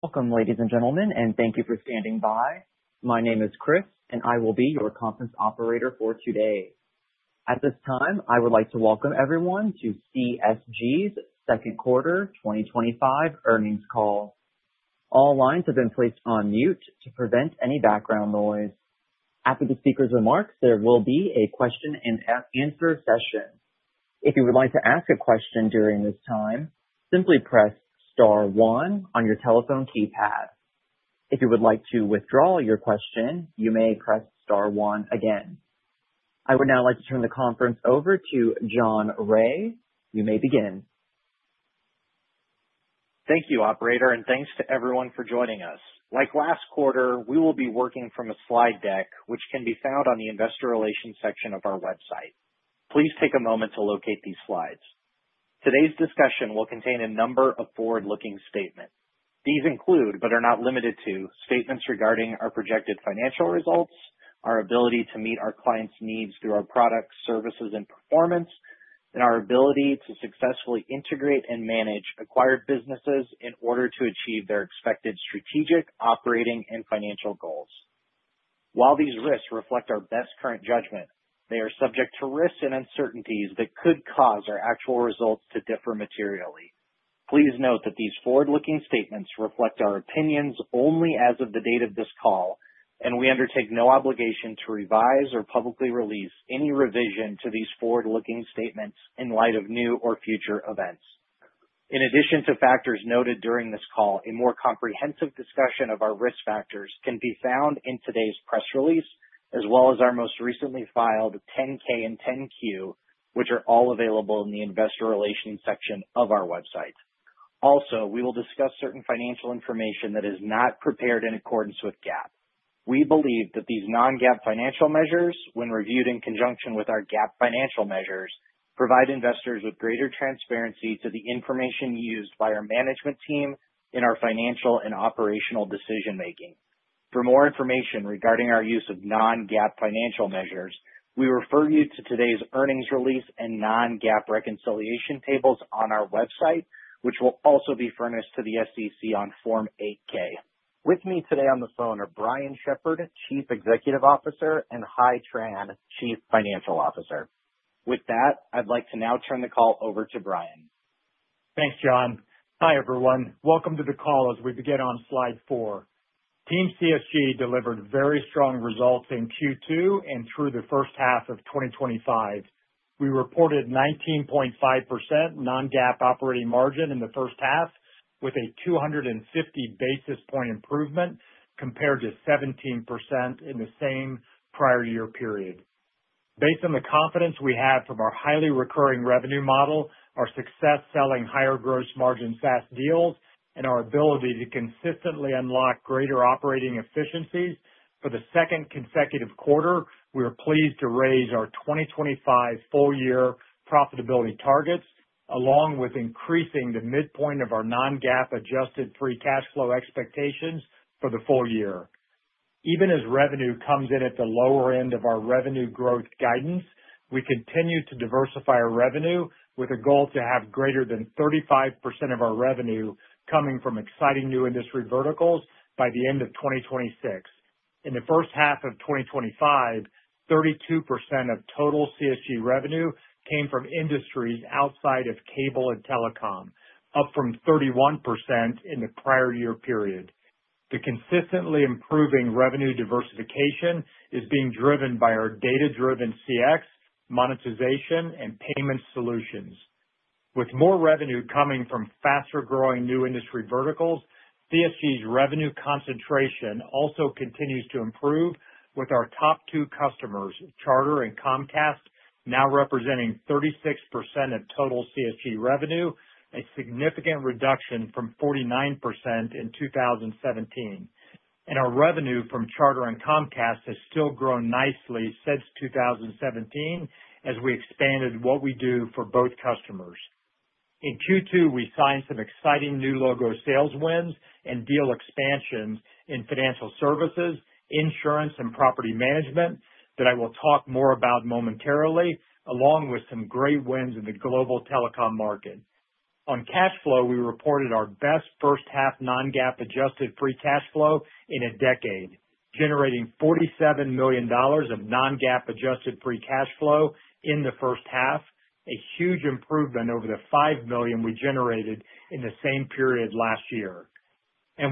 Welcome, ladies and gentlemen, and thank you for standing by. My name is Chris, and I will be your conference operator for today. At this time, I would like to welcome everyone to CSG's Second Quarter 2025 Earnings Call. All lines have been placed on mute to prevent any background noise. After the speaker's remarks, there will be a question and answer session. If you would like to ask a question during this time, simply press star one on your telephone keypad. If you would like to withdraw your question, you may press star one again. I would now like to turn the conference over to John Rea. You may begin. Thank you, operator, and thanks to everyone for joining us. Like last quarter, we will be working from a slide deck, which can be found on the investor relations section of our website. Please take a moment to locate these slides. Today's discussion will contain a number of forward-looking statements. These include, but are not limited to, statements regarding our projected financial results, our ability to meet our clients' needs through our products, services, and performance, and our ability to successfully integrate and manage acquired businesses in order to achieve their expected strategic, operating, and financial goals. While these statements reflect our best current judgment, they are subject to risks and uncertainties that could cause our actual results to differ materially. Please note that these forward-looking statements reflect our opinions only as of the date of this call, and we undertake no obligation to revise or publicly release any revision to these forward-looking statements in light of new or future events. In addition to factors noted during this call, a more comprehensive discussion of our risk factors can be found in today's press release, as well as our most recently filed 10-K and 10-Q, which are all available in the investor relations section of our website. Also, we will discuss certain financial information that is not prepared in accordance with GAAP. We believe that these non-GAAP financial measures, when reviewed in conjunction with our GAAP financial measures, provide investors with greater transparency to the information used by our management team in our financial and operational decision-making. For more information regarding our use of non-GAAP financial measures, we refer you to today's earnings release and non-GAAP reconciliation tables on our website, which will also be furnished to the SEC on Form 8-K. With me today on the phone are Brian Shepherd, Chief Executive Officer, and Hai Tran, Chief Financial Officer. With that, I'd like to now turn the call over to Brian. Thanks, John. Hi, everyone. Welcome to the call as we begin on slide four. Team CSG delivered very strong results in Q2 and through the first half of 2025. We reported 19.5% non-GAAP operating margin in the first half, with a 250 basis point improvement compared to 17% in the same prior year period. Based on the confidence we have from our highly recurring revenue model, our success selling higher gross margin SaaS deals, and our ability to consistently unlock greater operating efficiencies for the second consecutive quarter, we are pleased to raise our 2025 full-year profitability targets, along with increasing the midpoint of our non-GAAP adjusted free cash flow expectations for the full year. Even as revenue comes in at the lower end of our revenue growth guidance, we continue to diversify our revenue with a goal to have greater than 35% of our revenue coming from exciting new industry verticals by the end of 2026. In the first half of 2025, 32% of total CSG revenue came from industries outside of cable and telecom, up from 31% in the prior year period. The consistently improving revenue diversification is being driven by our data-driven CX, monetization, and payment solutions. With more revenue coming from faster-growing new industry verticals, CSG's revenue concentration also continues to improve with our top two customers, Charter and Comcast, now representing 36% of total CSG revenue, a significant reduction from 49% in 2017. Our revenue from Charter and Comcast has still grown nicely since 2017 as we expanded what we do for both customers. In Q2, we signed some exciting new logo sales wins and deal expansions in financial services, insurance, and property management that I will talk more about momentarily, along with some great wins in the global telecom market. On cash flow, we reported our best first half non-GAAP adjusted free cash flow in a decade, generating $47 million of non-GAAP adjusted free cash flow in the first half, a huge improvement over the $5 million we generated in the same period last year.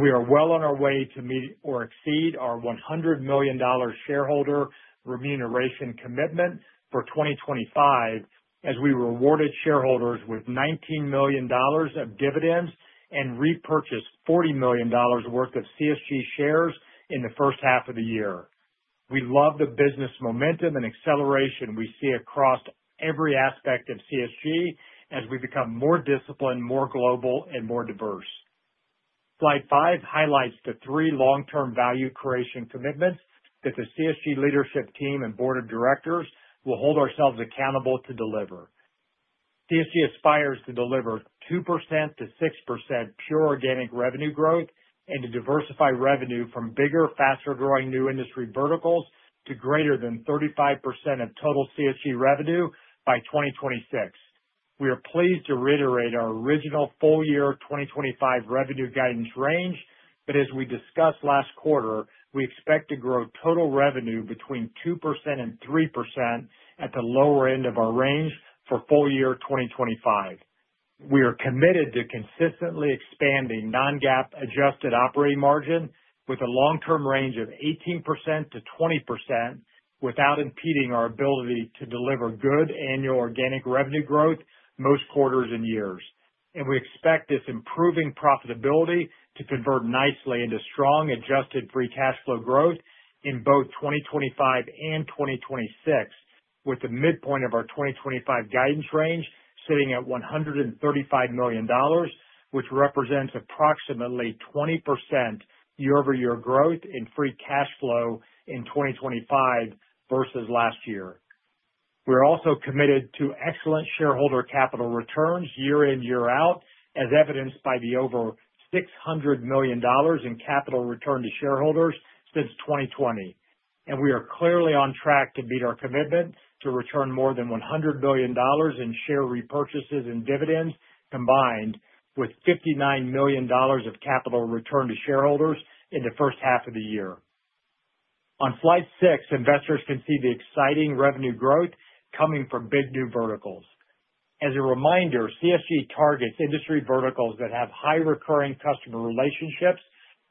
We are well on our way to meet or exceed our $100 million shareholder remuneration commitment for 2025 as we rewarded shareholders with $19 million of dividends and repurchased $40 million worth of CSG shares in the first half of the year. We love the business momentum and acceleration we see across every aspect of CSG as we become more disciplined, more global, and more diverse. Slide five highlights the three long-term value creation commitments that the CSG leadership team and Board of Directors will hold ourselves accountable to deliver. CSG aspires to deliver 2%-6% pure organic revenue growth and to diversify revenue from bigger, faster-growing new industry verticals to greater than 35% of total CSG revenue by 2026. We are pleased to reiterate our original full-year 2025 revenue guidance range, but as we discussed last quarter, we expect to grow total revenue between 2% and 3% at the lower end of our range for full-year 2025. We are committed to consistently expanding non-GAAP adjusted operating margin with a long-term range of 18%-20% without impeding our ability to deliver good annual organic revenue growth most quarters and years. We expect this improving profitability to convert nicely into strong adjusted free cash flow growth in both 2025 and 2026, with the midpoint of our 2025 guidance range sitting at $135 million, which represents approximately 20% year-over-year growth in free cash flow in 2025 versus last year. We're also committed to excellent shareholder capital returns year in, year out, as evidenced by the over $600 million in capital return to shareholders since 2020. We are clearly on track to meet our commitment to return more than $100 million in share repurchases and dividends combined with $59 million of capital return to shareholders in the first half of the year. On slide six, investors can see the exciting revenue growth coming from big new verticals. As a reminder, CSG targets industry verticals that have high recurring customer relationships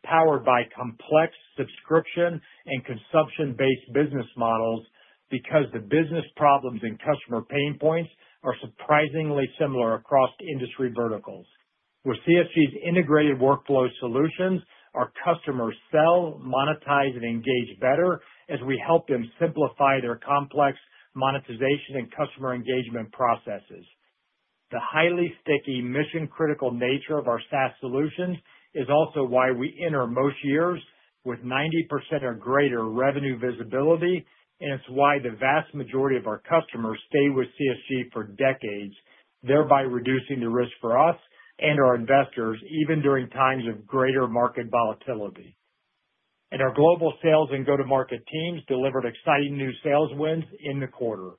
powered by complex subscription and consumption-based business models because the business problems and customer pain points are surprisingly similar across industry verticals. With CSG's integrated workflow solutions, our customers sell, monetize, and engage better as we help them simplify their complex monetization and customer engagement processes. The highly sticky, mission-critical nature of our SaaS solutions is also why we enter most years with 90% or greater revenue visibility, and it's why the vast majority of our customers stay with CSG for decades, thereby reducing the risk for us and our investors even during times of greater market volatility. Our global sales and go-to-market teams delivered exciting new sales wins in the quarter.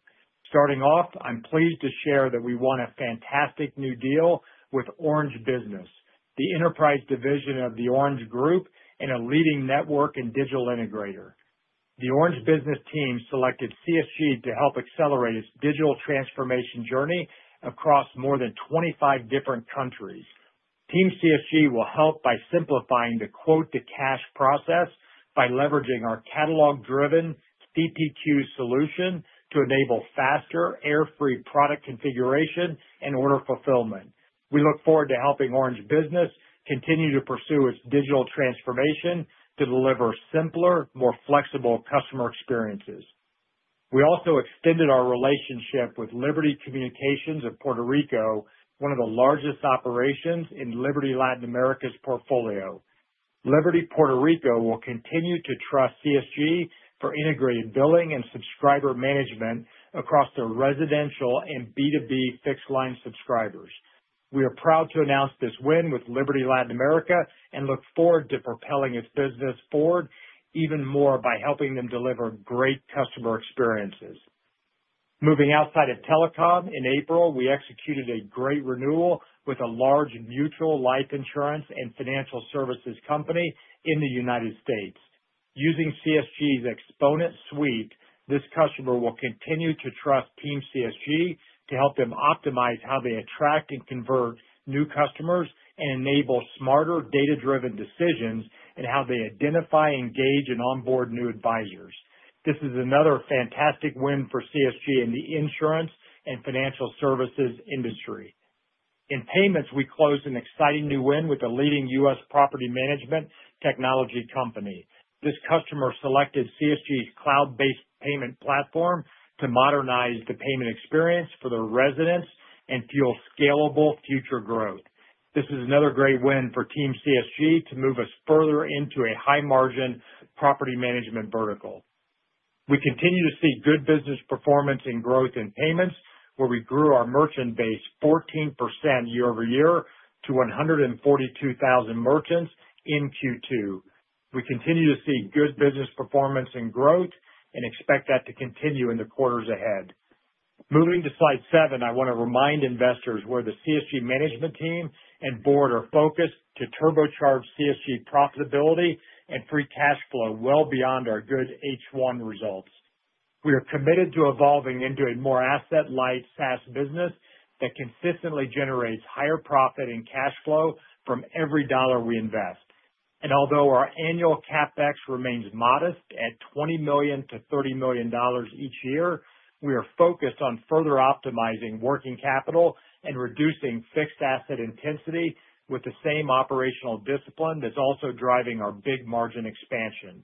Starting off, I'm pleased to share that we won a fantastic new deal with Orange Business, the enterprise division of the Orange Group and a leading network and digital integrator. The Orange Business team selected CSG to help accelerate its digital transformation journey across more than 25 different countries. Team CSG will help by simplifying the quote-to-cash process by leveraging our catalog-driven CPQ solution to enable faster, error-free product configuration and order fulfillment. We look forward to helping Orange Business continue to pursue its digital transformation to deliver simpler, more flexible customer experiences. We also extended our relationship with Liberty Communications of Puerto Rico, one of the largest operations in Liberty Latin America's portfolio. Liberty Puerto Rico will continue to trust CSG for integrated billing and subscriber management across their residential and B2B fixed-line subscribers. We are proud to announce this win with Liberty Latin America and look forward to propelling its business forward even more by helping them deliver great customer experiences. Moving outside of telecom, in April, we executed a great renewal with a large mutual life insurance and financial services company in the United States. Using CSG's Exponent suite, this customer will continue to trust Team CSG to help them optimize how they attract and convert new customers and enable smarter data-driven decisions in how they identify, engage, and onboard new advisors. This is another fantastic win for CSG in the insurance and financial services industry. In payments, we closed an exciting new win with the leading U.S. property management technology company. This customer selected CSG's cloud-based payment platform to modernize the payment experience for their residents and fuel scalable future growth. This is another great win for Team CSG to move us further into a high-margin property management vertical. We continue to see good business performance and growth in payments, where we grew our merchant base 14% year-over-year to 142,000 merchants in Q2. We continue to see good business performance and growth and expect that to continue in the quarters ahead. Moving to slide seven, I want to remind investors where the CSG management team and board are focused to turbocharge CSG profitability and free cash flow well beyond our good H1 results. We are committed to evolving into a more asset-light SaaS business that consistently generates higher profit and cash flow from every dollar we invest. Although our annual CapEx remains modest at $20 million-$30 million each year, we are focused on further optimizing working capital and reducing fixed asset intensity with the same operational discipline that's also driving our big margin expansion.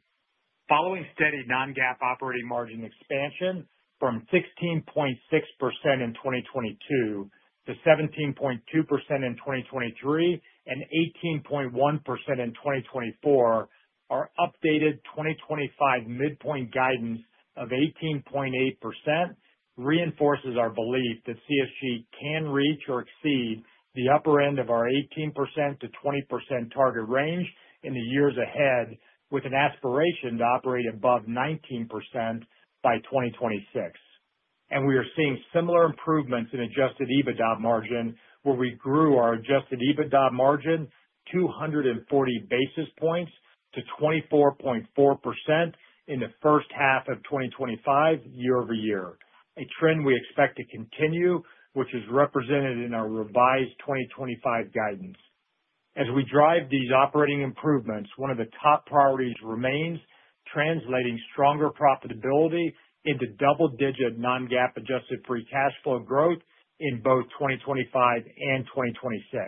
Following steady non-GAAP operating margin expansion from 16.6% in 2022 to 17.2% in 2023 and 18.1% in 2024, our updated 2025 midpoint guidance of 18.8% reinforces our belief that CSG Systems International can reach or exceed the upper end of our 18%-20% target range in the years ahead with an aspiration to operate above 19% by 2026. We are seeing similar improvements in adjusted EBITDA margin, where we grew our adjusted EBITDA margin 240 basis points to 24.4% in the first half of 2025, year-over-year, a trend we expect to continue, which is represented in our revised 2025 guidance. As we drive these operating improvements, one of the top priorities remains translating stronger profitability into double-digit non-GAAP adjusted free cash flow growth in both 2025 and 2026.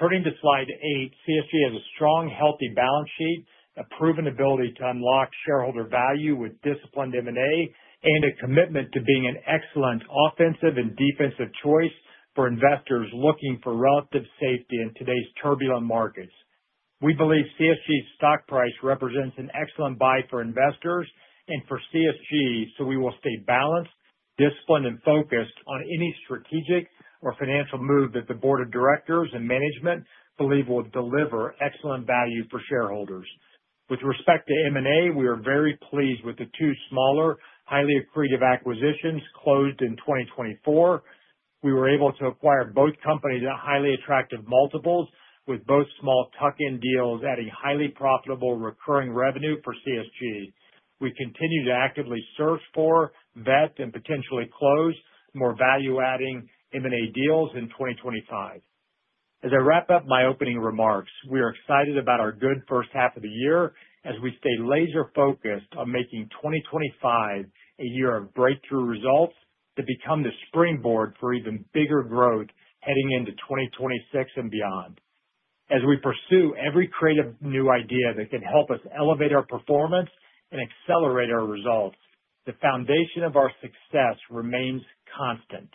Turning to slide eight, CSG Systems International has a strong, healthy balance sheet, a proven ability to unlock shareholder value with disciplined M&A, and a commitment to being an excellent offensive and defensive choice for investors looking for relative safety in today's turbulent markets. We believe CSG Systems International's stock price represents an excellent buy for investors and for CSG Systems International, so we will stay balanced, disciplined, and focused on any strategic or financial move that the board of directors and management believes will deliver excellent value for shareholders. With respect to M&A, we are very pleased with the two smaller, highly accretive acquisitions closed in 2024. We were able to acquire both companies at highly attractive multiples with both small tuck-in deals at a highly profitable recurring revenue for CSG Systems International. We continue to actively search for, vet, and potentially close more value-adding M&A deals in 2025. As I wrap up my opening remarks, we are excited about our good first half of the year as we stay laser-focused on making 2025 a year of breakthrough results to become the springboard for even bigger growth heading into 2026 and beyond. As we pursue every creative new idea that can help us elevate our performance and accelerate our results, the foundation of our success remains constant.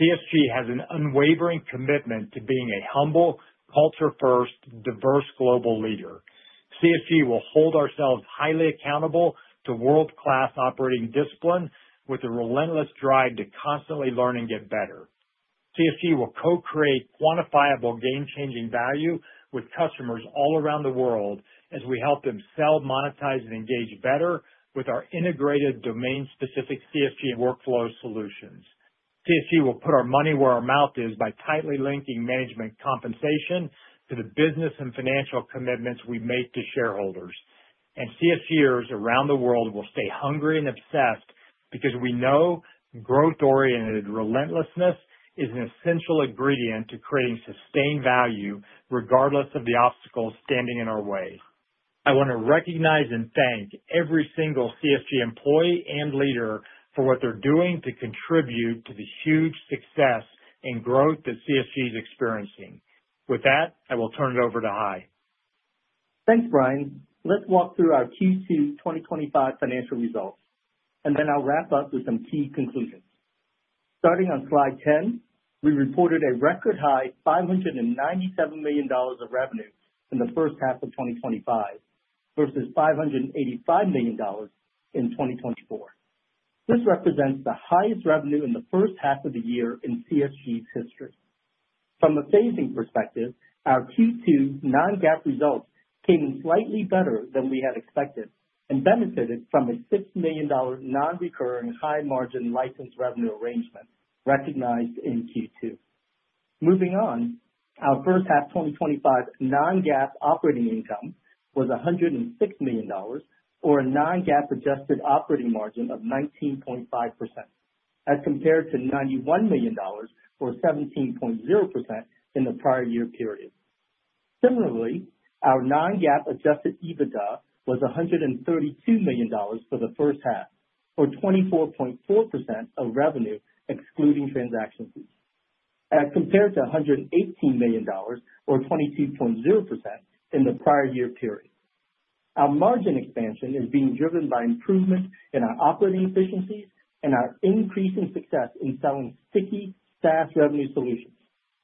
CSG has an unwavering commitment to being a humble, culture-first, diverse global leader. CSG will hold ourselves highly accountable to world-class operating discipline, with a relentless drive to constantly learn and get better. CSG will co-create quantifiable, game-changing value with customers all around the world as we help them sell, monetize, and engage better with our integrated, domain-specific CSG workflow solutions. CSG will put our money where our mouth is by tightly linking management compensation to the business and financial commitments we make to shareholders. CSGers around the world will stay hungry and obsessed because we know growth-oriented relentlessness is an essential ingredient to creating sustained value regardless of the obstacles standing in our way. I want to recognize and thank every single CSG employee and leader for what they're doing to contribute to the huge success and growth that CSG is experiencing. With that, I will turn it over to Hai. Thanks, Brian. Let's walk through our Q2 2025 financial results, and then I'll wrap up with some key conclusions. Starting on slide 10, we reported a record high $597 million of revenue in the first half of 2025 versus $585 million in 2024. This represents the highest revenue in the first half of the year in CSG Systems International's history. From a phasing perspective, our Q2 non-GAAP results came in slightly better than we had expected and benefited from a $6 million non-recurring high-margin license revenue arrangement recognized in Q2. Moving on, our first half 2025 non-GAAP operating income was $106 million, or a non-GAAP adjusted operating margin of 19.5%, as compared to $91 million, or 17.0% in the prior year period. Similarly, our non-GAAP adjusted EBITDA was $132 million for the first half, or 24.4% of revenue, excluding transaction fees, as compared to $118 million, or 22.0% in the prior year period. Our margin expansion is being driven by improvements in our operating efficiencies and our increasing success in selling sticky SaaS solutions.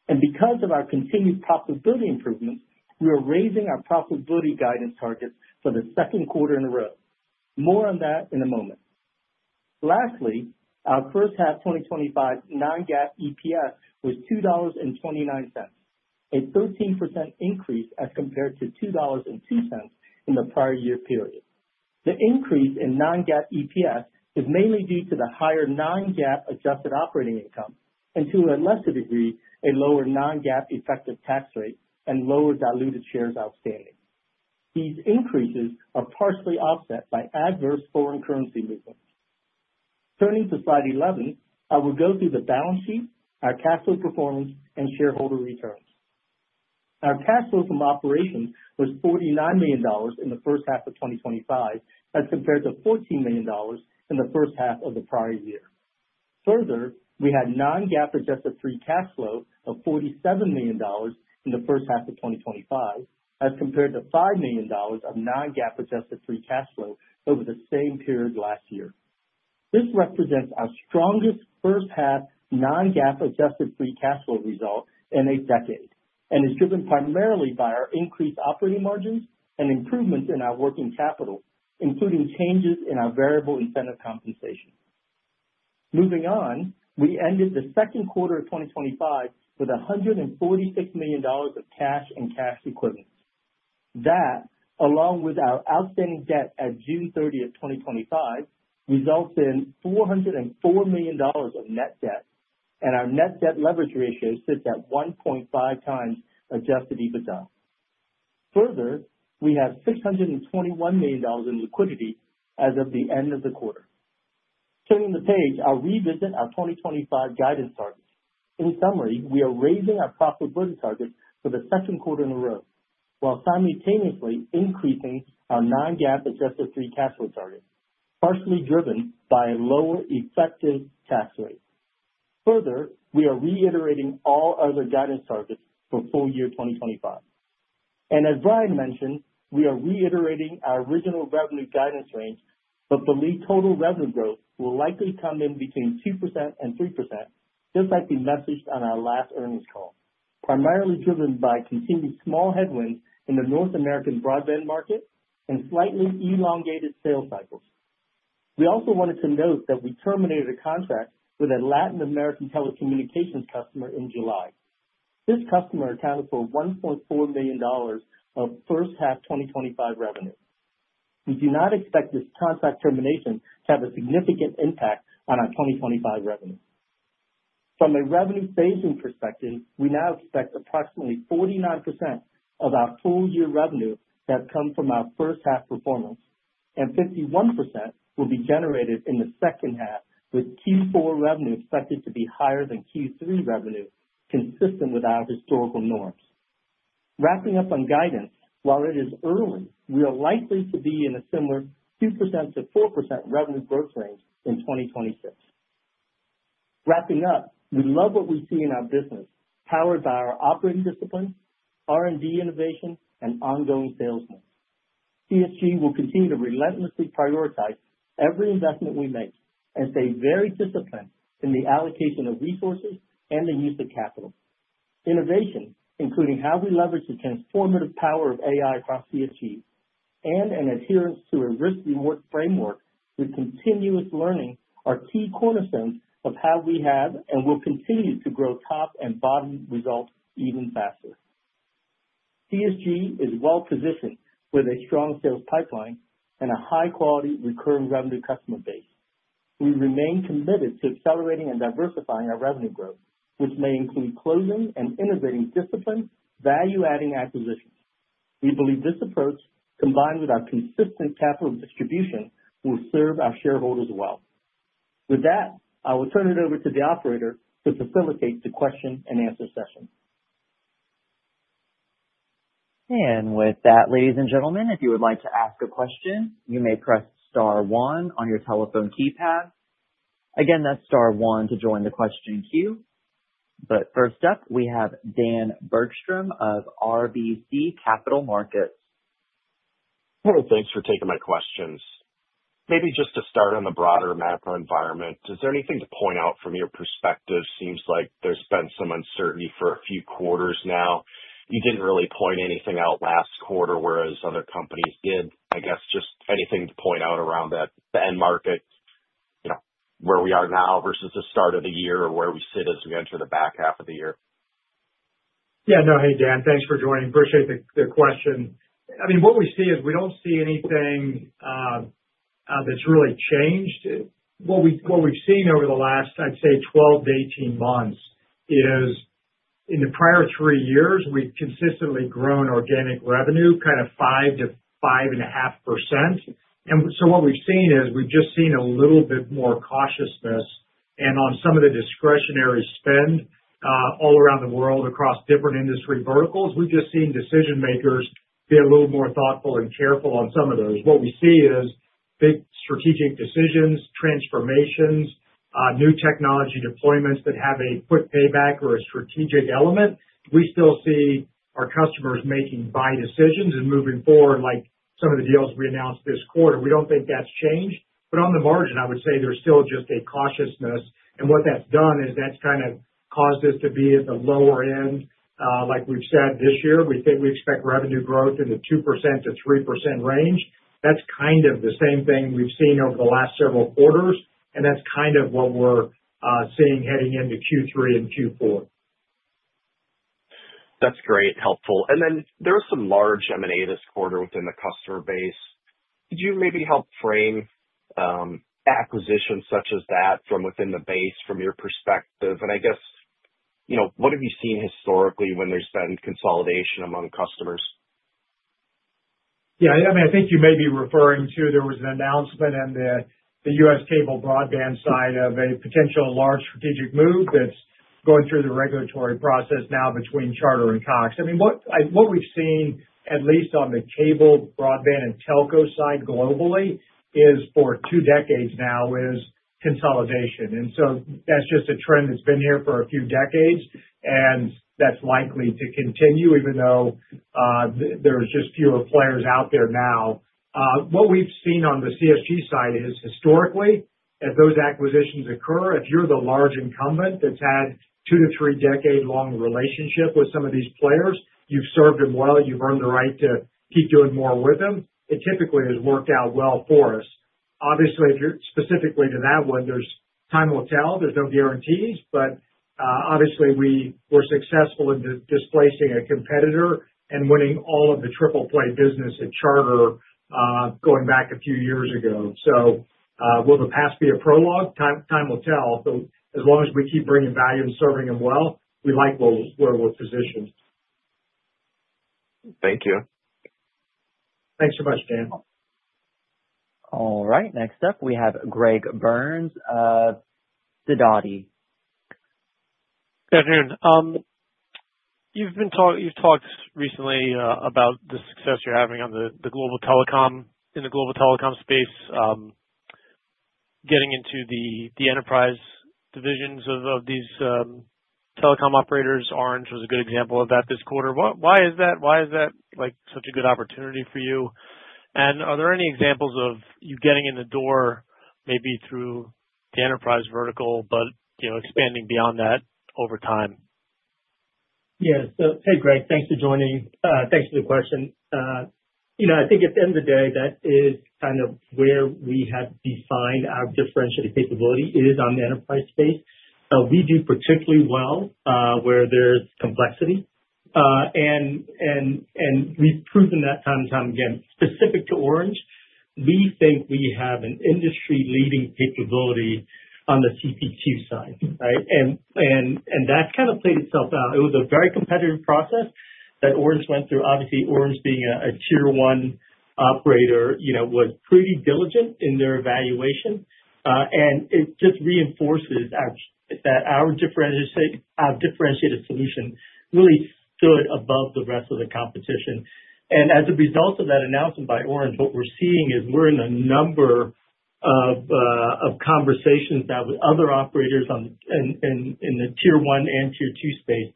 Because of our continued profitability improvement, we are raising our profitability guidance targets for the second quarter in a row. More on that in a moment. Lastly, our first half 2025 non-GAAP EPS was $2.29, a 13% increase as compared to $2.02 in the prior year period. The increase in non-GAAP EPS is mainly due to the higher non-GAAP adjusted operating income and, to a lesser degree, a lower non-GAAP effective tax rate and lower diluted shares outstanding. These increases are partially offset by adverse foreign currency movements. Turning to slide 11, I will go through the balance sheet, our cash flow performance, and shareholder returns. Our cash flow from operations was $49 million in the first half of 2025, as compared to $14 million in the first half of the prior year. Further, we had non-GAAP adjusted free cash flow of $47 million in the first half of 2025, as compared to $5 million of non-GAAP adjusted free cash flow over the same period last year. This represents our strongest first half non-GAAP adjusted free cash flow result in a decade and is driven primarily by our increased operating margins and improvements in our working capital, including changes in our variable incentive compensation. Moving on, we ended the second quarter of 2025 with $146 million of cash and cash equivalents. That, along with our outstanding debt as of June 30, 2025, results in $404 million of net debt, and our net debt leverage ratio sits at 1.5 times adjusted EBITDA. Further, we have $621 million in liquidity as of the end of the quarter. Turning the page, I'll revisit our 2025 guidance targets. In summary, we are raising our profitability targets for the second quarter in a row while simultaneously increasing our non-GAAP adjusted free cash flow target, partially driven by a lower effective tax rate. Further, we are reiterating all other guidance targets for full year 2025. As Brian mentioned, we are reiterating our original revenue guidance range, but believe total revenue growth will likely come in between 2% and 3%, just like we messaged on our last earnings call, primarily driven by continued small headwinds in the North American broadband market and slightly elongated sales cycles. We also wanted to note that we terminated a contract with a Latin American telecommunications customer in July. This customer accounted for $1.4 million of first half 2025 revenue. We do not expect this contract termination to have a significant impact on our 2025 revenue. From a revenue phasing perspective, we now expect approximately 49% of our full-year revenue to have come from our first half performance, and 51% will be generated in the second half, with Q4 revenue expected to be higher than Q3 revenue, consistent with our historical norms. Wrapping up on guidance, while it is early, we are likely to be in a similar 2%-4% revenue growth range in 2026. Wrapping up, we love what we see in our business, powered by our operating discipline, R&D innovation, and ongoing sales growth. CSG will continue to relentlessly prioritize every investment we make and stay very disciplined in the allocation of resources and the use of capital. Innovation, including how we leverage the transformative power of AI across CSG and an adherence to a risk-reward framework with continuous learning, are key cornerstones of how we have and will continue to grow top and bottom results even faster. CSG is well-positioned with a strong sales pipeline and a high-quality recurring revenue customer base. We remain committed to accelerating and diversifying our revenue growth, which may include closing and integrating disciplined, value-adding acquisitions. We believe this approach, combined with our consistent capital distribution, will serve our shareholders well. With that, I will turn it over to the operator to facilitate the question and answer session. With that, ladies and gentlemen, if you would like to ask a question, you may press star one on your telephone keypad. Again, that's star one to join the question queue. First up, we have Dan Bergstrom of RBC Capital Markets. Hey, thanks for taking my questions. Maybe just to start on the broader macro environment, is there anything to point out from your perspective? Seems like there's been some uncertainty for a few quarters now. You didn't really point anything out last quarter, whereas other companies did. I guess just anything to point out around the end market, you know, where we are now versus the start of the year or where we sit as we enter the back half of the year. Yeah, no, hey, Dan, thanks for joining. Appreciate the question. I mean, what we see is we don't see anything that's really changed. What we've seen over the last, I'd say, 12 to 18 months is in the prior three years, we've consistently grown organic revenue kind of 5%-5.5%. What we've seen is we've just seen a little bit more cautiousness. On some of the discretionary spend all around the world across different industry verticals, we've just seen decision makers be a little more thoughtful and careful on some of those. What we see is big strategic decisions, transformations, new technology deployments that have a quick payback or a strategic element. We still see our customers making buy decisions and moving forward like some of the deals we announced this quarter. We don't think that's changed. On the margin, I would say there's still just a cautiousness. What that's done is that's kind of caused us to be at the lower end. Like we've said this year, we think we expect revenue growth in the 2%-3% range. That's kind of the same thing we've seen over the last several quarters, and that's kind of what we're seeing heading into Q3 and Q4. That's great, helpful. There's some large M&A this quarter within the customer base. Could you maybe help frame acquisitions such as that from within the base from your perspective? I guess, you know, what have you seen historically when there's been consolidation among customers? Yeah, I mean, I think you may be referring to there was an announcement in the U.S. cable broadband side of a potential large strategic move that's going through the regulatory process now between Charter and Cox. I mean, what we've seen, at least on the cable, broadband, and telco side globally, for two decades now is consolidation. That's just a trend that's been here for a few decades, and that's likely to continue even though there's just fewer players out there now. What we've seen on the CSG side is historically, if those acquisitions occur, if you're the large incumbent that's had a two to three decade-long relationship with some of these players, you've served them well. You've earned the right to keep doing more with them. It typically has worked out well for us. Obviously, if you're specifically to that one, time will tell. There's no guarantees. Obviously, we were successful in displacing a competitor and winning all of the triple play business at Charter, going back a few years ago. Will the past be a prologue? Time will tell. As long as we keep bringing value and serving them well, we like where we're positioned. Thank you. Thanks so much, Dan. All right. Next up, we have Greg Burns of Sidoti. Good afternoon. You've talked recently about the success you're having in the global telecom space, getting into the enterprise divisions of these telecom operators. Orange Business was a good example of that this quarter. Why is that such a good opportunity for you? Are there any examples of you getting in the door maybe through the enterprise vertical, but expanding beyond that over time? Yeah. Hey, Greg, thanks for joining. Thanks for the question. I think at the end of the day, that is kind of where we have defined our differentiated capability is on the enterprise space. We do particularly well where there's complexity, and we've proven that time and time again. Specific to Orange, we think we have an industry-leading capability on the CPQ side, right? That's kind of played itself out. It was a very competitive process that Orange went through. Obviously, Orange being a tier-one operator, you know, was pretty diligent in their evaluation. It just reinforces that our differentiated solution really stood above the rest of the competition. As a result of that announcement by Orange, what we're seeing is we're in a number of conversations with other operators in the tier-one and tier-two space.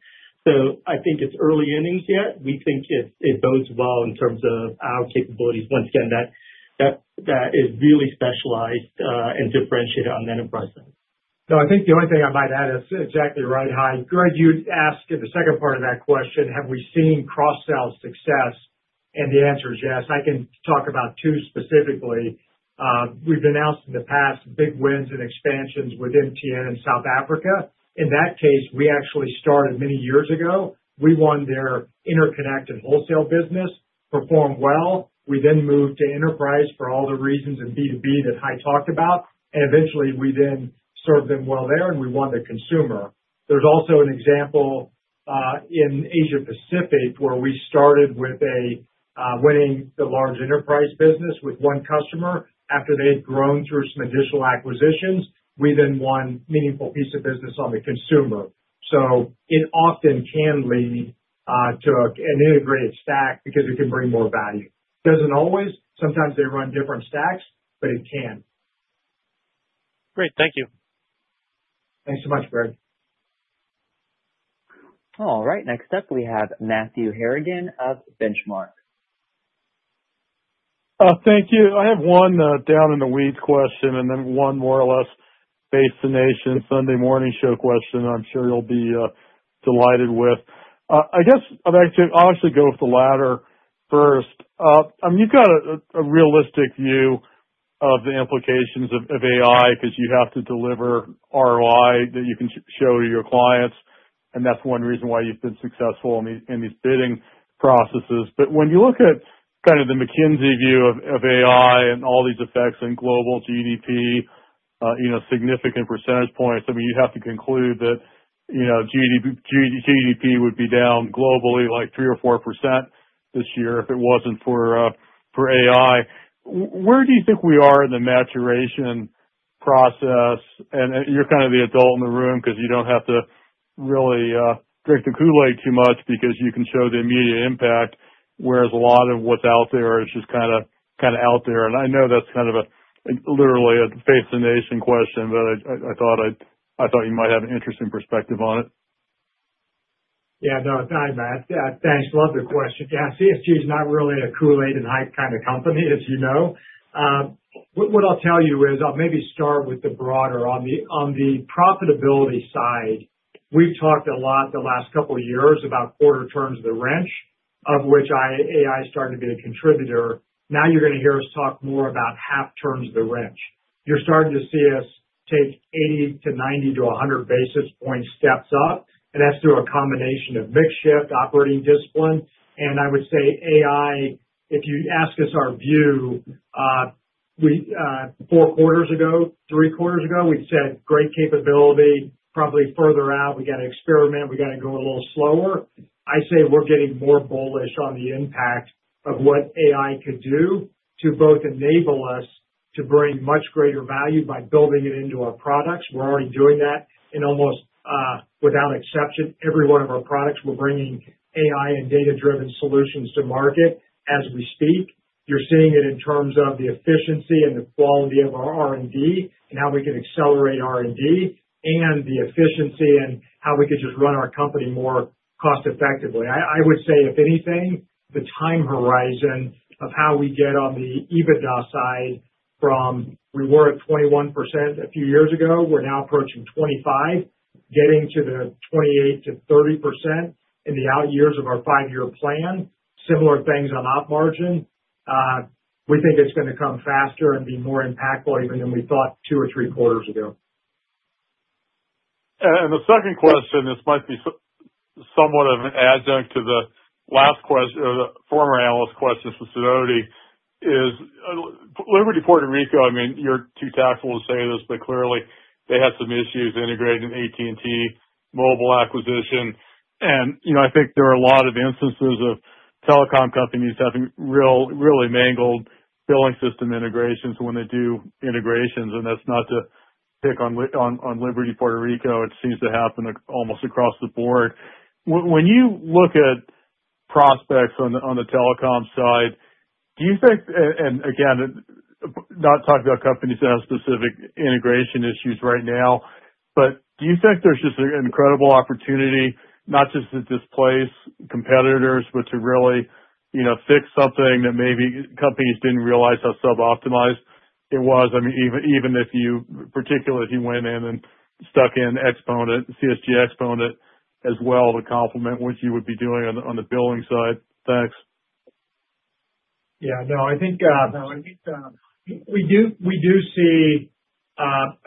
I think it's early innings yet. We think it bodes well in terms of our capabilities. Once again, that is really specialized and differentiated on the enterprise side. No, I think the only thing I might add is exactly right, Hai. Greg, you asked in the second part of that question, have we seen cross-sell success? The answer is yes. I can talk about two specifically. We've announced in the past big wins and expansions within Telkom and South Africa. In that case, we actually started many years ago. We won their interconnect and wholesale business, performed well. We then moved to enterprise for all the reasons in B2B that Hai talked about. Eventually, we then served them well there, and we won the consumer. There's also an example in Asia-Pacific where we started with winning the large enterprise business with one customer after they'd grown through some additional acquisitions. We then won a meaningful piece of business on the consumer. It often can lead to an integrated stack because it can bring more value. It doesn't always. Sometimes they run different stacks, but it can. Great. Thank you. Thanks so much, Greg. All right. Next up, we have Matthew Harrigan of Benchmark. Thank you. I have one down-in-the-weeds question and then one more or less based-in-nation Sunday morning show question that I'm sure you'll be delighted with. I guess I'd actually honestly go with the latter first. I mean, you've got a realistic view of the implications of AI because you have to deliver ROI that you can show to your clients. That's one reason why you've been successful in these bidding processes. When you look at kind of the McKinsey view of AI and all these effects on global GDP, you know, significant percentage points, you have to conclude that GDP would be down globally like 3% or 4% this year if it wasn't for AI. Where do you think we are in the maturation process? You're kind of the adult in the room because you don't have to really drink the Kool-Aid too much because you can show the immediate impact, whereas a lot of what's out there is just kind of out there. I know that's kind of a literally a face-in-nation question, but I thought you might have an interesting perspective on it. Yeah, no, I imagine that. Thanks. Love the question. CSG is not really a Kool-Aid and AI kind of company, as you know. What I'll tell you is I'll maybe start with the broader on the profitability side. We've talked a lot the last couple of years about quarter terms of the wrench, of which AI is starting to be a contributor. Now you're going to hear us talk more about half terms of the wrench. You're starting to see us take 80 basis points-90 basis points-100 basis points steps up, and that's through a combination of makeshift operating discipline. I would say AI, if you ask us our view, we, four quarters ago, three quarters ago, we said great capability. Probably further out, we got to experiment. We got to go a little slower. I say we're getting more bullish on the impact of what AI could do to both enable us to bring much greater value by building it into our products. We're already doing that in almost, without exception, every one of our products. We're bringing AI and data-driven solutions to market as we speak. You're seeing it in terms of the efficiency and the quality of our R&D and how we can accelerate R&D and the efficiency and how we could just run our company more cost-effectively. I would say, if anything, the time horizon of how we get on the EBITDA side from we were at 21% a few years ago. We're now approaching 25%, getting to the 28%-30% in the out years of our five-year plan. Similar things on op margin. We think it's going to come faster and be more impactful even than we thought two or three quarters ago. The second question, this might be somewhat of an adjunct to the last question, or the former analyst questions from Sidoti, is Liberty of Puerto Rico. You're too tactful to say this, but clearly, they had some issues integrating the AT&T mobile acquisition. There are a lot of instances of telecom companies having really mangled billing system integrations when they do integrations. That's not to pick on Liberty of Puerto Rico. It seems to happen almost across the board. When you look at prospects on the telecom side, do you think, not talking about companies that have specific integration issues right now, but do you think there's just an incredible opportunity not just to displace competitors, but to really fix something that maybe companies didn't realize how suboptimized it was? Even if you, particularly if you went in and stuck in the CSG Exponent as well to complement what you would be doing on the billing side. Thanks. I think we do see,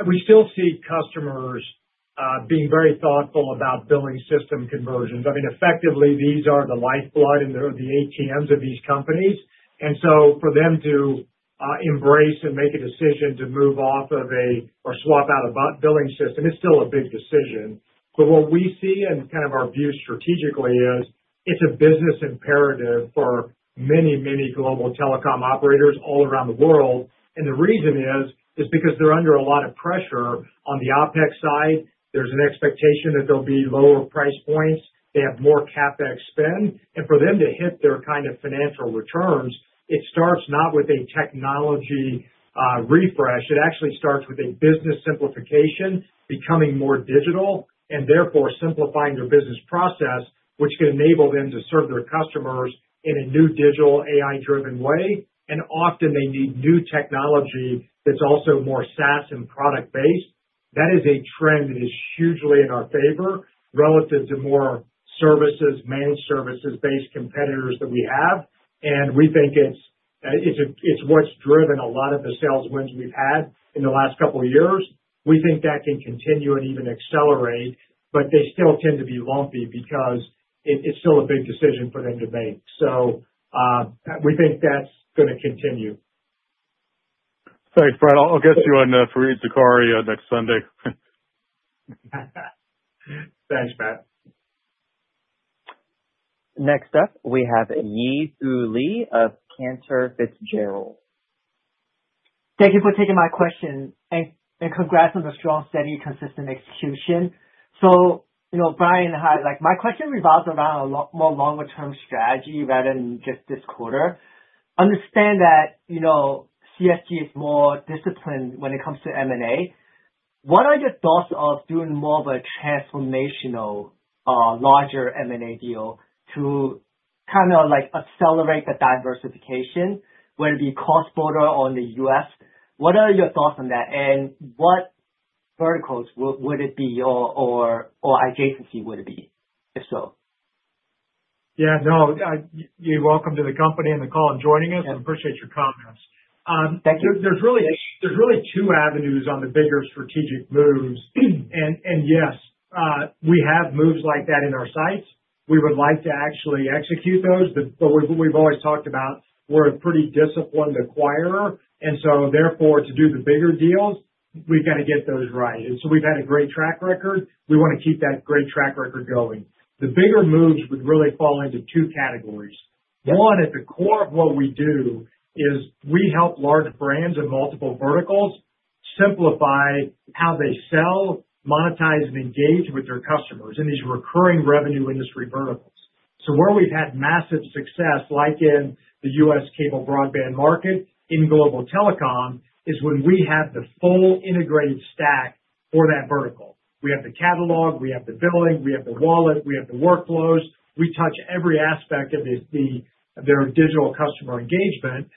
we still see customers being very thoughtful about billing system conversions. I mean, effectively, these are the lifeblood and they're the ATMs of these companies. For them to embrace and make a decision to move off of or swap out a billing system, it's still a big decision. What we see and kind of our view strategically is it's a business imperative for many, many global telecom operators all around the world. The reason is because they're under a lot of pressure on the OpEx side. There's an expectation that there'll be lower price points. They have more CapEx spend. For them to hit their kind of financial returns, it starts not with a technology refresh. It actually starts with a business simplification, becoming more digital, and therefore simplifying their business process, which can enable them to serve their customers in a new digital AI-driven way. Often, they need new technology that's also more SaaS and product-based. That is a trend that is hugely in our favor relative to more services, managed services-based competitors that we have. We think it's what's driven a lot of the sales wins we've had in the last couple of years. We think that can continue and even accelerate, but they still tend to be lumpy because it's still a big decision for them to make. We think that's going to continue. Thanks, Matt. I'll get you on Fareed Zakaria next Sunday. Thanks, Matt. Next up, we have Yi Fu Lee of Cantor Fitzgerald. Thank you for taking my question. Congrats on the strong, steady, consistent execution. Brian, Hai, my question revolves around a lot more longer-term strategy rather than just this quarter. I understand that CSG is more disciplined when it comes to M&A. What are your thoughts of doing more of a transformational, larger M&A deal to kind of accelerate the diversification, whether it be cross-border or in the U.S.? What are your thoughts on that? What verticals would it be or adjacency would it be, if so? Yeah, no, you're welcome to the company and the call and joining us. I appreciate your confidence. There's really two avenues on the bigger strategic moves. Yes, we have moves like that in our sights. We would like to actually execute those. What we've always talked about, we're a pretty disciplined acquirer. Therefore, to do the bigger deals, we've got to get those right. We've had a great track record. We want to keep that great track record going. The bigger moves would really fall into two categories. One, at the core of what we do is we help large brands in multiple verticals simplify how they sell, monetize, and engage with their customers in these recurring revenue industry verticals. Where we've had massive success, like in the U.S. cable broadband market, in global telecom, is when we have the full integrated stack for that vertical. We have the catalog, we have the billing, we have the wallet, we have the workflows. We touch every aspect of their digital customer engagement.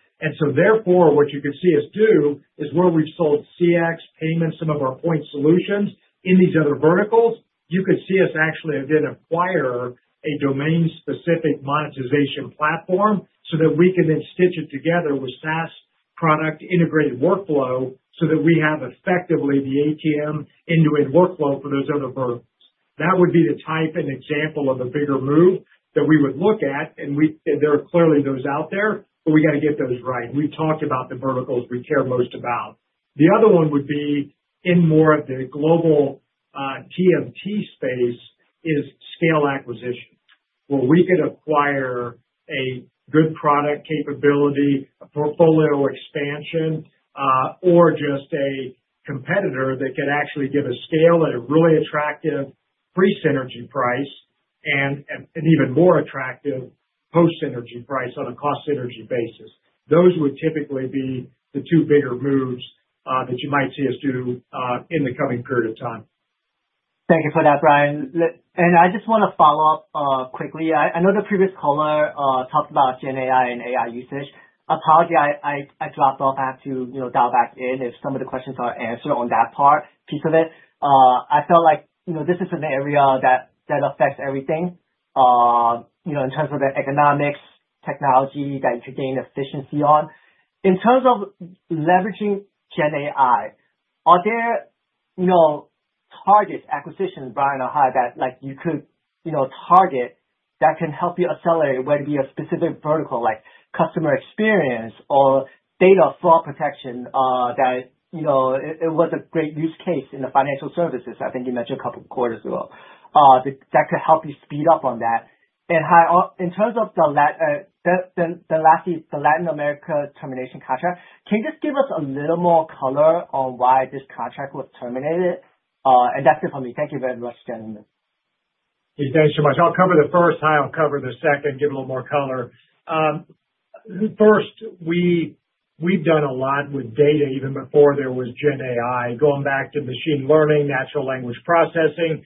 Therefore, what you could see us do is where we sold CX payments, some of our point solutions in these other verticals, you could see us actually then acquire a domain-specific monetization platform so that we can then stitch it together with SaaS product integrated workflow so that we have effectively the ATM integrated workflow for those other verticals. That would be the type and example of the bigger move that we would look at. There are clearly those out there, but we got to get those right. We've talked about the verticals we care most about. The other one would be in more of the global TMT space is scale acquisitions, where we could acquire a good product capability, a portfolio expansion, or just a competitor that could actually give us scale at a really attractive pre-synergy price and an even more attractive post-synergy price on a cost synergy basis. Those would typically be the two bigger moves that you might see us do in the coming period of time. Thank you for that, Brian. I just want to follow up quickly. I know the previous caller talked about GenAI and AI usage. Apologies. I thought I brought back to, you know, dial back in if some of the questions are answered on that part piece of it. I felt like this is an area that affects everything, you know, in terms of the economics, technology that you could gain efficiency on. In terms of leveraging GenAI, are there, you know, target acquisitions, Brian or Hai, that you could, you know, target that can help you accelerate whether it be a specific vertical like customer experience or data fraud protection, that, you know, it was a great use case in the financial services. I think you mentioned a couple of quarters ago that could help you speed up on that. Hai, in terms of the Latin America termination contract, can you just give us a little more color on why this contract was terminated? That's it for me. Thank you for my question. Thanks so much. I'll cover the first. Hai, I'll cover the second, give a little more color. First, we've done a lot with data even before there was GenAI. Going back to machine learning, natural language processing,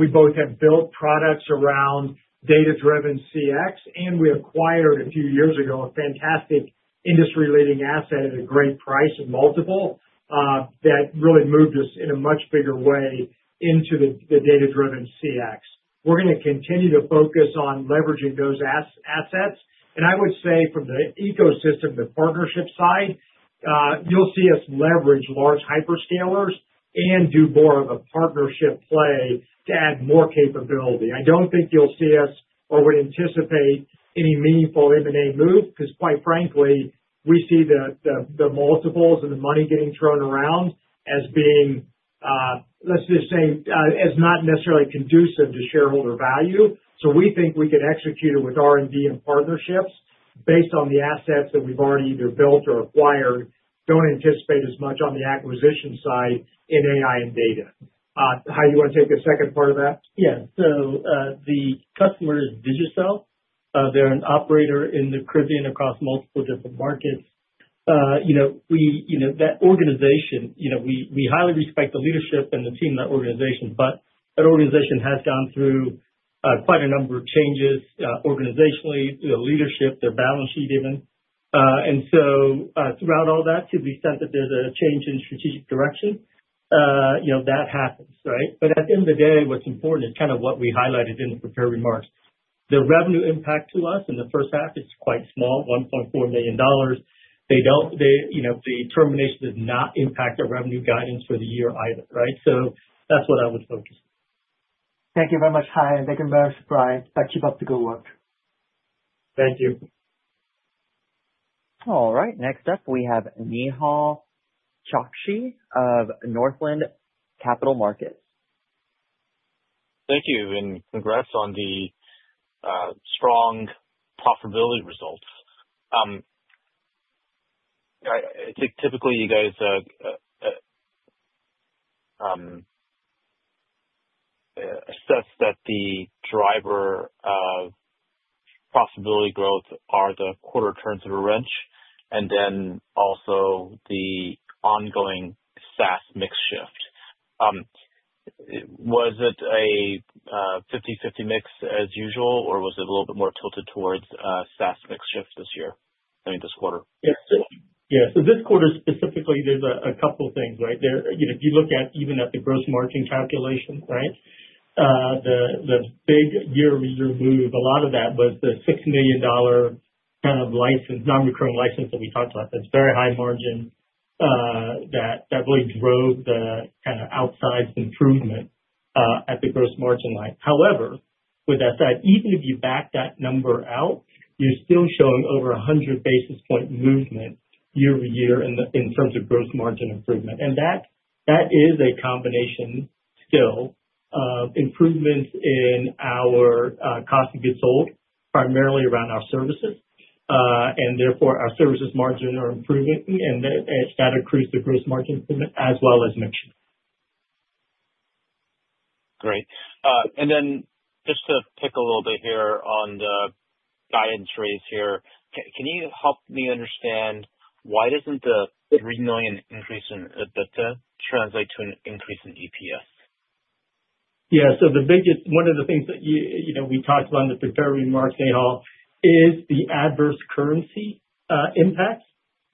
we both have built products around data-driven CX, and we acquired a few years ago a fantastic industry-leading asset at a great price and multiple, that really moved us in a much bigger way into the data-driven CX. We're going to continue to focus on leveraging those assets. I would say from the ecosystem, the partnership side, you'll see us leverage large hyperscalers and do more of a partnership play to add more capability. I don't think you'll see us or would anticipate any meaningful M&A move because, quite frankly, we see the multiples and the money getting thrown around as being, let's just say, as not necessarily conducive to shareholder value. We think we can execute it with R&D and partnerships based on the assets that we've already either built or acquired. Don't anticipate as much on the acquisition side in AI and data. Hai, you want to take the second part of that? Yeah. The customer is Digicel. They're an operator in the Caribbean across multiple different markets. We highly respect the leadership and the team in that organization. That organization has gone through quite a number of changes, organizationally, leadership, their balance sheet even. Throughout all that, to the extent that there's a change in strategic direction, that happens, right? At the end of the day, what's important is kind of what we highlighted in the prepared remarks. The revenue impact to us in the first half is quite small, $1.4 million. The termination does not impact our revenue guidance for the year either, right? That's what I would focus on. Thank you very much, Hai, and take a very surprised. Keep up the good work. Thank you. All right. Next up, we have Nehal Chokshi of Northland Capital Markets. Thank you, and congrats on the strong profitability results. I think typically you guys assess that the driver of profitability growth are the quarter terms of the wrench and then also the ongoing SaaS makeshift. Was it a 50/50 mix as usual, or was it a little bit more tilted towards SaaS makeshift this year? I mean, this quarter. Yeah. This quarter specifically, there's a couple of things, right? If you look at even at the gross margin calculations, right? The big year-over-year move, a lot of that was the $6 million kind of license, non-recurring license that we talked about. That's very high margin that really drove the kind of outside improvement at the gross margin line. However, with that said, even if you back that number out, you're still showing over 100 basis point movement year-over-year in terms of gross margin improvement. That is a combination still of improvements in our cost of goods sold, primarily around our services. Therefore, our services margin are improving, and that increased the gross margin improvement as well as mentioned. Great. To pick a little bit here on the guidance raise, can you help me understand why doesn't the $3 million increase in EBITDA translate to an increase in EPS? Yeah. One of the things that you know we talked about in the prepared remarks, Nehal, is the adverse currency impacts,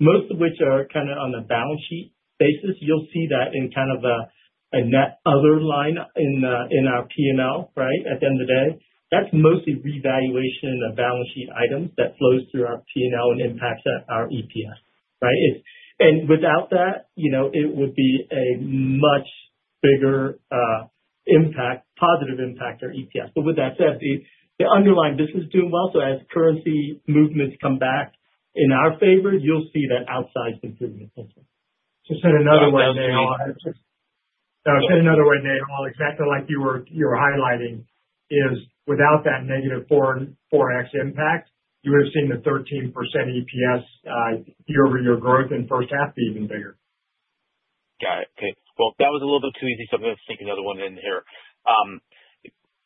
most of which are kind of on the balance sheet basis. You'll see that in kind of a net other line in our P&L, right? At the end of the day, that's mostly revaluation in the balance sheet items that flows through our P&L and impacts our EPS, right? Without that, you know, it would be a much bigger impact, positive impact on EPS. With that said, the underlying business is doing well. As currency movements come back in our favor, you'll see that outside's been pretty consistent. Can you say it another way, Nehal? No, I'll say it another way, Nehal. Exactly like you were highlighting, is without that negative 4x impact, you would have seen the 13% EPS year-over-year growth in the first half be even bigger. Got it. Okay. That was a little bit too easy, so I'm going to sneak another one in here.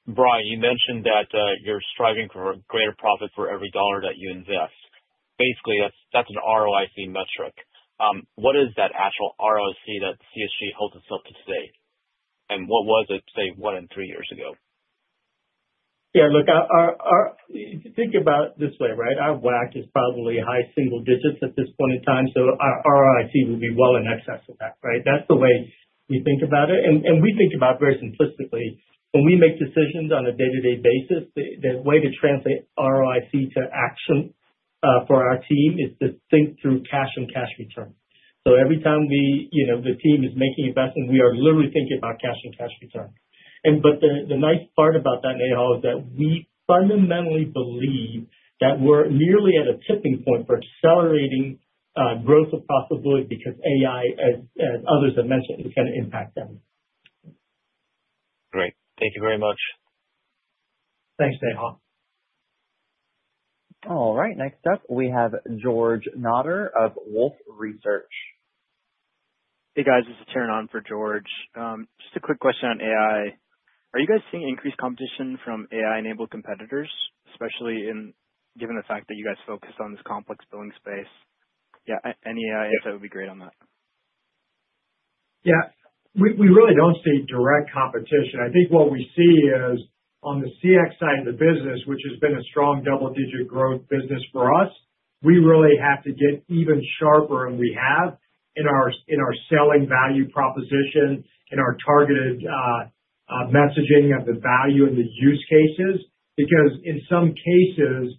Brian, you mentioned that you're striving for a greater profit for every dollar that you invest. Basically, that's an ROIC metric. What is that actual ROIC that CSG holds itself to today? What was it, say, one and three years ago? Yeah, look, think about it this way, right? Our WACC is probably high single digits at this point in time. Our ROIC would be well in excess of that, right? That's the way we think about it. We think about it very simplistically. When we make decisions on a day-to-day basis, the way to translate ROIC to action for our team is to think through cash and cash return. Every time the team is making investment, we are literally thinking about cash and cash return. The nice part about that, Nehal, is that we fundamentally believe that we're nearly at a tipping point for accelerating growth of profitability because AI, as others have mentioned, is going to impact them. Great. Thank you very much. Thanks, Nehal. All right. Next up, we have George Nodder of Wolfe Research. Hey, guys. This is Taron for George. Just a quick question on AI. Are you guys seeing increased competition from AI-enabled competitors, especially given the fact that you guys focus on this complex billing space? Any AI insight would be great on that. Yeah. We really don't see direct competition. I think what we see is on the CX side of the business, which has been a strong double-digit growth business for us, we really have to get even sharper than we have in our selling value proposition, in our targeted messaging of the value and the use cases. Because in some cases,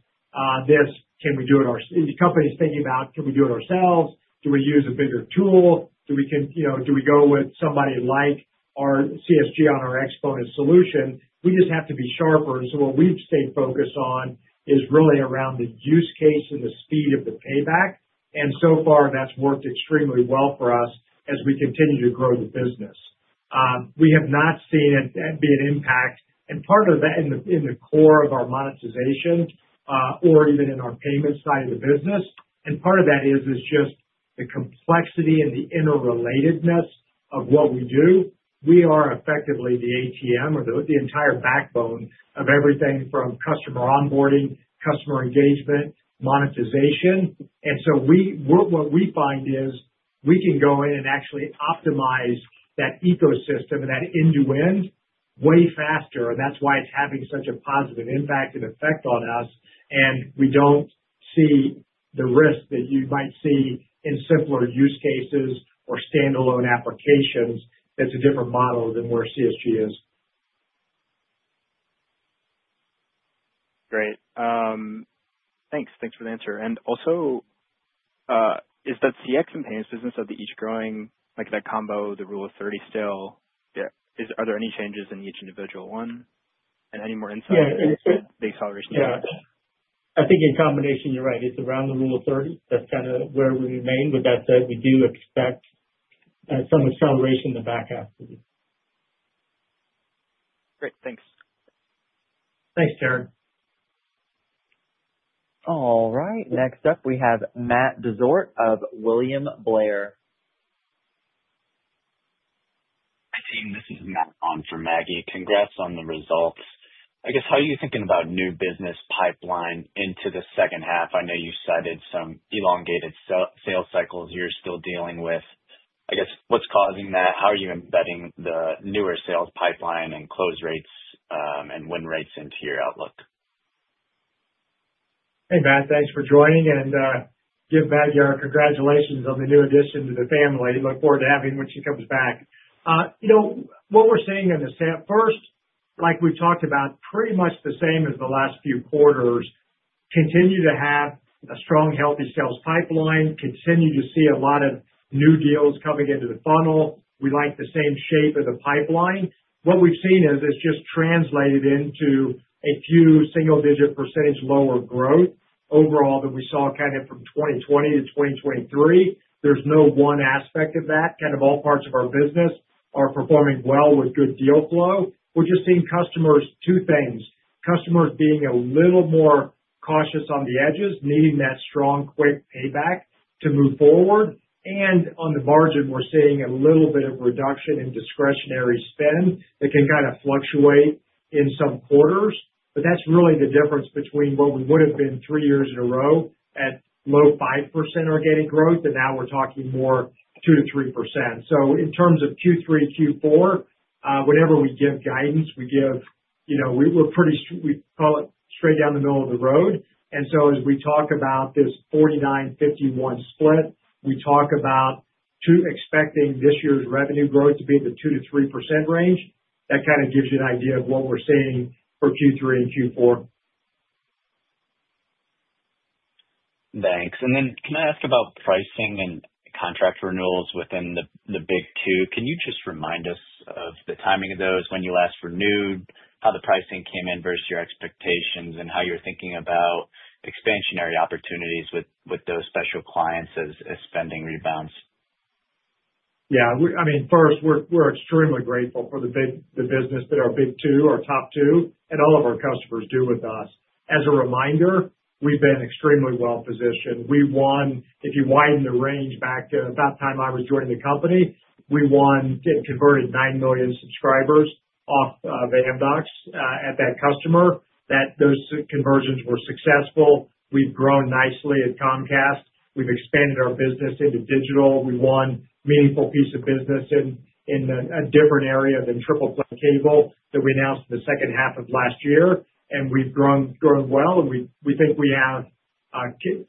this can we do it, are the company's thinking about, can we do it ourselves? Do we use a bigger tool? Do we, you know, do we go with somebody like CSG on our Exponent solution? We just have to be sharper. What we've stayed focused on is really around the use case and the speed of the payback. So far, that's worked extremely well for us as we continue to grow the business. We have not seen it be an impact. Part of that in the core of our monetization, or even in our payment side of the business, is just the complexity and the interrelatedness of what we do. We are effectively the ATM or the entire backbone of everything from customer onboarding, customer engagement, monetization. What we find is we can go in and actually optimize that ecosystem and that end-to-end way faster. That's why it's having such a positive impact and effect on us. We don't see the risk that you might see in simpler use cases or standalone applications. That's a different model than where CSG is. Great. Thanks. Thanks for the answer. Is that CX and payments business, are they each growing like that combo, the rule of 30 still? Are there any changes in each individual one? Any more insight? Yeah. The acceleration? Yeah. I think in combination, you're right. It's around the rule of 30. That's kind of where we remain. With that said, we do expect some acceleration in the back half of the year. Great. Thanks. Thanks, Taran. All right. Next up, we have Maggie Schultz of William Blair. This is Matt on for Maggie. Congrats on the results. How are you thinking about new business pipeline into the second half? I know you cited some elongated sales cycles you're still dealing with. What's causing that? How are you embedding the newer sales pipeline and close rates and win rates into your outlook? Hey, Matt. Thanks for joining. Give Maggie our congratulations on the new addition to the family. I look forward to having her when she comes back. You know what we're seeing in the first, like we talked about, pretty much the same as the last few quarters. Continue to have a strong, healthy sales pipeline. Continue to see a lot of new deals coming into the funnel. We like the same shape of the pipeline. What we've seen is it's just translated into a few single-digit percentage lower growth overall that we saw kind of from 2020 to 2023. There's no one aspect of that. All parts of our business are performing well with good deal flow. We're just seeing customers, two things, customers being a little more cautious on the edges, needing that strong, quick payback to move forward. On the margin, we're seeing a little bit of reduction in discretionary spend that can kind of fluctuate in some quarters. That's really the difference between what we would have been three years in a row at low 5% organic growth, and now we're talking more 2%-3%. In terms of Q3, Q4, whatever we give guidance, we give, you know, we look pretty, we call it straight down the middle of the road. As we talk about this 49-51 split, we talk about expecting this year's revenue growth to be in the 2%-3% range. That kind of gives you an idea of what we're seeing for Q3 and Q4. Thanks. Can I ask about pricing and contract renewals within the big two? Can you just remind us of the timing of those, when you last renewed, how the pricing came in versus your expectations, and how you're thinking about expansionary opportunities with those special clients as spending rebounds? Yeah. I mean, first, we're extremely grateful for the big business that our big two, our top two, and all of our customers do with us. As a reminder, we've been extremely well positioned. We won, if you widen the range back then, at that time I was joining the company, we won, you know, converted nine million subscribers off of Amdocs at that customer. Those conversions were successful. We've grown nicely at Comcast. We've expanded our business into digital. We won a meaningful piece of business in a different area than triple play table that we announced in the second half of last year. We've grown well, and we think we have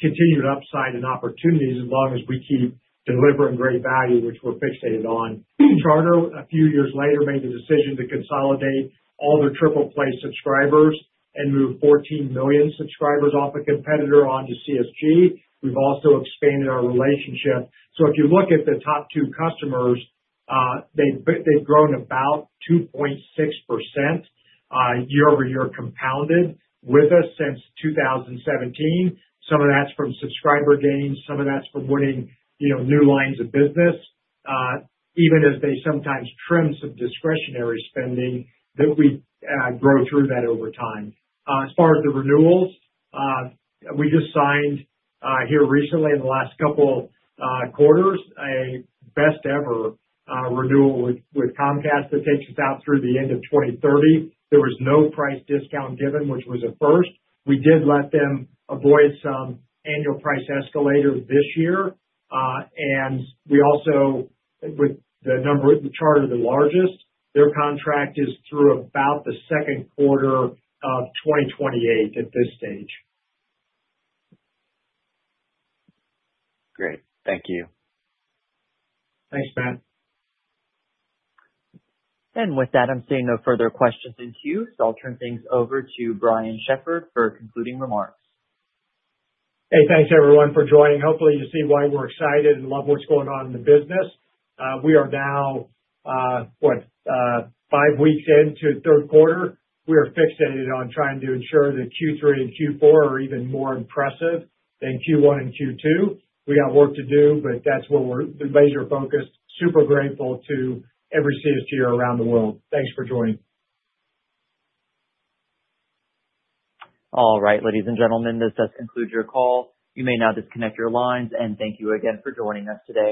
continued upside and opportunities as long as we keep delivering great value, which we're fixated on. Charter, a few years later, made the decision to consolidate all their triple play subscribers and move 14 million subscribers off a competitor onto CSG. We've also expanded our relationship. If you look at the top two customers, they've grown about 2.6% year-over-year compounded with us since 2017. Some of that's from subscriber gains. Some of that's from winning, you know, new lines of business, even as they sometimes trim some discretionary spending, that we grow through that over time. As far as the renewals, we just signed here recently in the last couple quarters a best-ever renewal with Comcast that takes us out through the end of 2030. There was no price discount given, which was a first. We did let them avoid some annual price escalators this year, and we also, with the number written in the chart of the largest, their contract is through about the second quarter of 2028 at this stage. Great. Thank you. Thanks, Matt. With that, I'm seeing no further questions in queue, so I'll turn things over to Brian Shepherd for concluding remarks. Hey, thanks, everyone, for joining. Hopefully, you see why we're excited and love what's going on in the business. We are now, what, five weeks into the third quarter. We are fixated on trying to ensure that Q3 and Q4 are even more impressive than Q1 and Q2. We got work to do, but that's what we're the major focus. Super grateful to every CSG around the world. Thanks for joining. All right, ladies and gentlemen, this does conclude your call. You may now disconnect your lines, and thank you again for joining us today.